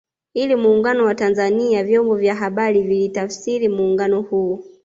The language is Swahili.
Ili Muungano wa Tanzania na vyombo vya habari vilitafsiri muungano huo